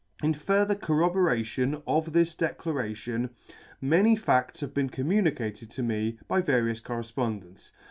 In further corroboration of this declaration, many fadts have been communicated to me by va rious correfpondents.